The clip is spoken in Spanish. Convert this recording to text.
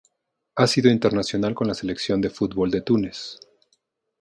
Ha sido internacional con la Selección de fútbol de Túnez.